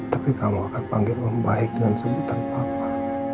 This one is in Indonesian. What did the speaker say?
tapi kamu akan panggil pembahik dengan sebutan papa